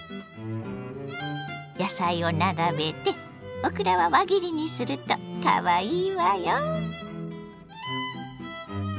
野菜を並べてオクラは輪切りにするとかわいいわよ。